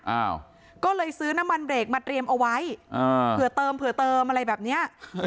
อ้าวก็เลยซื้อน้ำมันเบรกมาเตรียมเอาไว้อ่าเผื่อเติมเผื่อเติมอะไรแบบเนี้ย